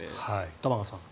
玉川さん。